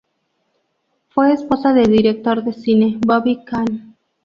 Fue esposa del director de cine, Bobby Khan.